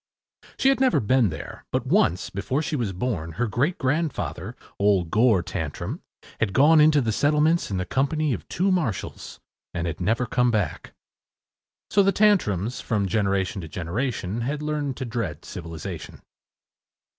She had never been there; but once, before she was born, her great grandfather, old Gore Tantrum, had gone into the settlements in the company of two marshals, and had never come back. So the Tantrums, from generation to generation, had learned to dread civilization.